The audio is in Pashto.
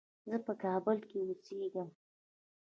زه په کابل کې اوسېږم.